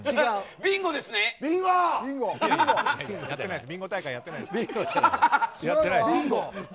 ビンゴ大会やってないです。